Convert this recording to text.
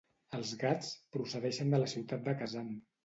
Els gats procedeixen de la ciutat de Kazan.